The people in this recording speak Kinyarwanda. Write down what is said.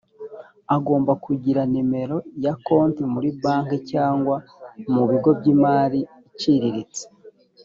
agomba kugira nimero ya konti muri banki cyangwa mu bigo by’imari icicriritse